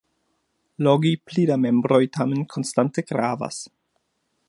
Logi pli da membroj tamen konstante gravas.